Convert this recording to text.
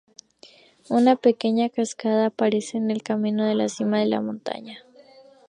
Una pequeña cascada aparece en el camino a la cima de la montaña.